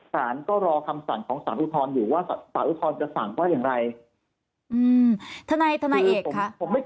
สารก็รอคำสั่งของสารอุทธรณ์อยู่ว่าสารอุทธรณ์จะสั่งว่าอย่างไร